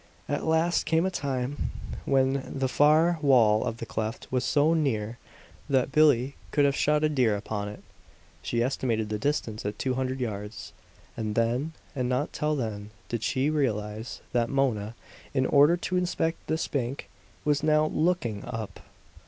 At last came a time when the far wall of the cleft was so near that Billie could have shot a deer upon it. She estimated the distance at two hundred yards; and then, and not until then, did she realize that Mona, in order to inspect this bank, was now LOOKING up.